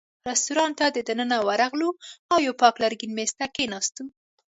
رېستورانت ته دننه ورغلو او یوه پاک لرګین مېز ته کېناستو.